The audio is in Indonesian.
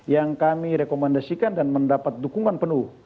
yang kami rekomendasikan dan mendapat dukungan penuh